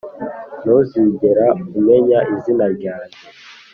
ntuzigera umenya izina ryanjye.